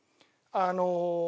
あの。